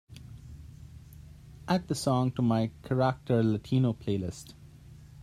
Add the song to my carácter latino playlist.